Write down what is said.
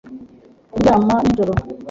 kuryama nijoro